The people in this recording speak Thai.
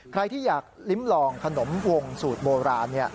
ใครที่อยากลิ้มลองขนมวงสูตรโบราณ